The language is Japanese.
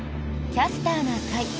「キャスターな会」。